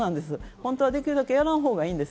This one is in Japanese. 本当はできるだけやらんほうがいいんです。